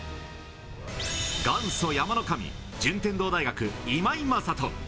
元祖、山の神、順天堂大学、今井正人。